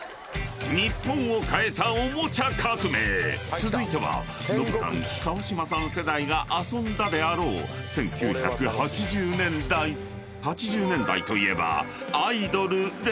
［続いてはノブさん川島さん世代が遊んだであろう１９８０年代］［８０年代といえば］